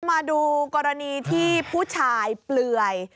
มาดูกรณีที่ผู้ชายเปลื่อย